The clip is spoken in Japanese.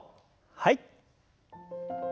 はい。